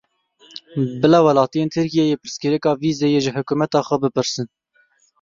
Bila welatiyên Tirkiyeyê pirsgirêka vîzeyê ji hikûmeta xwe bipirsin.